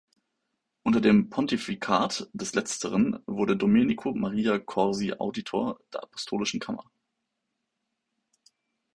Unter dem Pontifikat des Letzteren wurde Domenico Maria Corsi Auditor der Apostolischen Kammer.